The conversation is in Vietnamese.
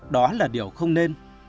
đó là điều không nên